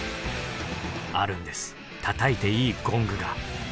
あるんですたたいていいゴングが。